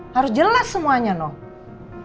harus jelas semuanya noh